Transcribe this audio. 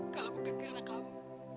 kalau bukan gara kamu